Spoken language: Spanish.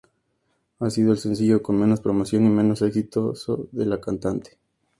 Ha sido el sencillo con menos promoción y menos exitoso de la cantante.